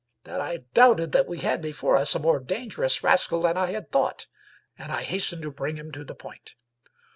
" that I doubted that we had be fore us a more dangerous rascal than I had thought, and I hastened to bring him to the point.